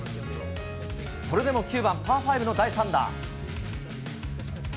それでも９番パー５の第３打。